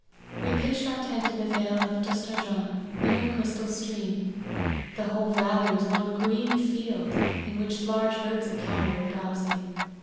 We pitched our tent in the vale of Dustarjan, near a crystal stream ; the whole valley was one green field, in which large herds of cattle were browsing.